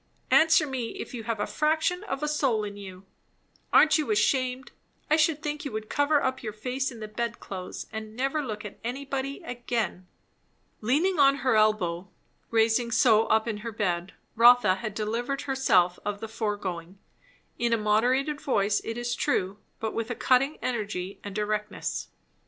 Answer me, if you have a fraction of a soul in you! Aren't you ashamed! I should think you would cover up your face in the bedclothes, and never look at anybody again!" Leaning on her elbow, raised so up in her bed, Rotha had delivered herself of the foregoing; in a moderated voice it is true, but with a cutting energy and directness.